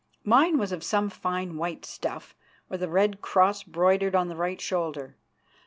Mine was of some fine white stuff, with a red cross broidered on the right shoulder.